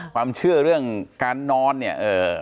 ความเชื่อเรื่องการนอนเนี่ยเอ่อ